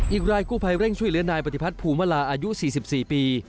อีกรายกู้ภัยเร่งช่วยเหลือนายปฏิพัฒน์ภูมิลาอายุ๔๔ปี